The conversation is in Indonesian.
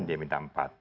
dia minta empat